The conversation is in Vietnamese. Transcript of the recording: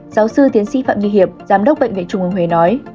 giáo sư tiến sĩ phạm nghi hiệp giám đốc bệnh viện trung ân huế nói